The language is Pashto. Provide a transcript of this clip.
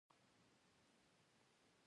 سوالګر ته نرمي او مهرباني پکار ده